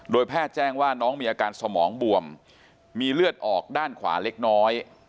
แพทย์แจ้งว่าน้องมีอาการสมองบวมมีเลือดออกด้านขวาเล็กน้อย